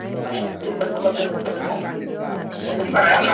Lakini makabila hayo ni ya Wabantu wa Ziwa na yanafanana mila na desturi